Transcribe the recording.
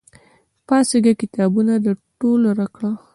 پاڅېږه! کتابونه د ټول کړه!